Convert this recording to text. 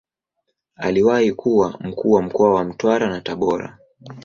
Aliwahi kuwa Mkuu wa mkoa wa Mtwara na Tabora.